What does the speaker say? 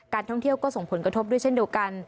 ท่องเที่ยวก็ส่งผลกระทบด้วยเช่นเดียวกัน